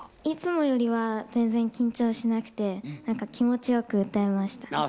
いつもよりは全然緊張しなくてなんか気持ちよく歌えました。